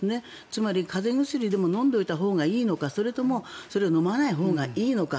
つまり、風邪薬でも飲んでおいたほうがいのかそれともそれを飲まないほうがいいのか。